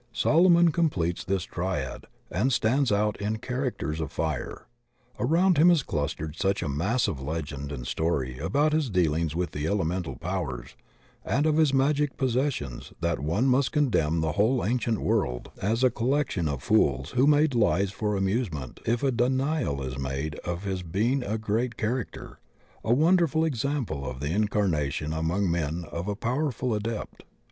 Solomon completes this triad and stands out in characters of fire. Around him is clustered such a mass of legend and story about his dealings with the elemental powers and of his magic possessions that one must condemn the whole ancient world as a SOLOMON AND MOSES INITIATES 9 collection of fools who made lies for amusement if a denial is made of his being a great char acter, a wonderful example of the incarnation among men of a powerful Adept.